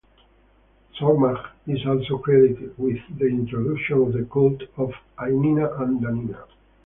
Saurmag is also credited with the introduction of the cult of Ainina and Danina.